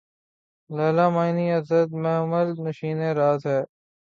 لیلیِ معنی اسد! محمل نشینِ راز ہے